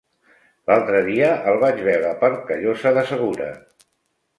L'altre dia el vaig veure per Callosa de Segura.